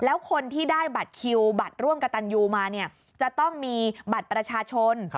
แล้วคนที่ได้บัตรคิวบัตรร่วมกับตันยูมาเนี่ยจะต้องมีบัตรประชาชน